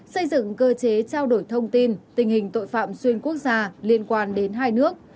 xây dựng cơ chế trao đổi thông tin tình hình tội phạm xuyên quốc gia liên quan đến hai nước